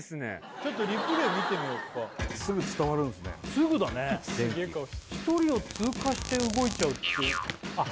ちょっとリプレイ見てみようかすぐ伝わるんすねすぐだね１人を通過して動いちゃうっていうあっ